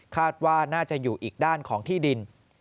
คาดว่าน่าจะอยู่อีกด้านของที่ดิน